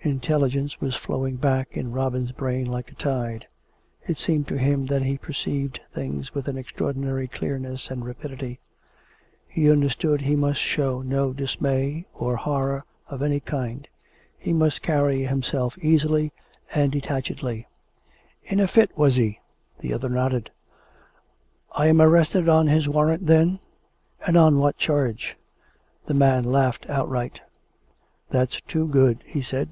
Intelligence was flowing back in Robin's brain like a tide. It seemed to him that he perceived things with an extraordinary clearness and rapidity. He understood he must show no dismay or horror of any kind; lie must carry himself easily and detachedly. " In a fit, was he? " The other nodded. " I am arrested on his warrant, then.^ And on what charge .''" The man laughed outright. " That's too good," he said.